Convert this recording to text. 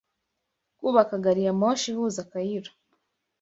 kubaka gari ya moshi ihuza Cayiro